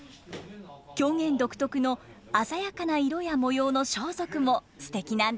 狂言独特の鮮やかな色や模様の装束もすてきなんですよね。